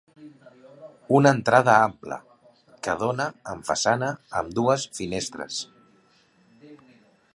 Una entrada ampla, que dóna en façana amb dues finestres.